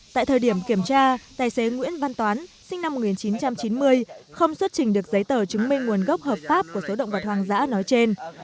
tại thời điểm kiểm tra tài xế nguyễn văn toán sinh năm một nghìn chín trăm chín mươi không xuất trình được giấy tờ chứng minh nguồn gốc hợp pháp của số động vật hoang dã nói trên